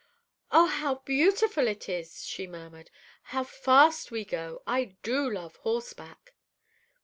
"Oh, how beautiful it is!" she murmured. "How fast we go! I do love horseback."